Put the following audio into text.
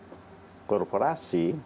maka dalam hal pengembalian kerugian korupsi